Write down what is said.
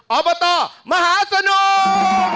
อบตมหาสนุก